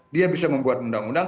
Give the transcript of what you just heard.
dia bisa membuat undang undang